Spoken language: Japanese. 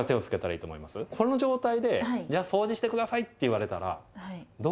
この状態でじゃあそうじして下さいって言われたらどうしますか？